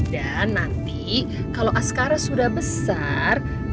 dan nanti kalau askaran sudah besar